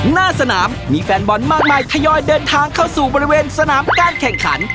หน้าสนามมีแฟนบอลมากมายทยอยเดินทางเข้าสู่บริเวณสนามการแข่งขัน